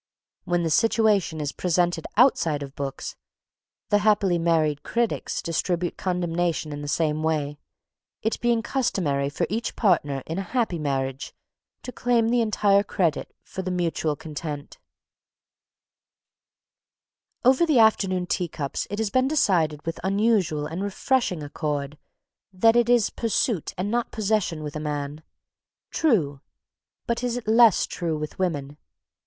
When the situation is presented outside of books, the happily married critics distribute condemnation in the same way, it being customary for each partner in a happy marriage to claim the entire credit for the mutual content. [Sidenote: Pursuit and Possession] Over the afternoon tea cups it has been decided with unusual and refreshing accord, that "it is pursuit and not possession with a man." True but is it less true with women?